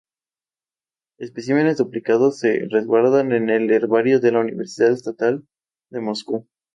Especímenes duplicados se resguardan en el Herbario de la Universidad Estatal de Moscú.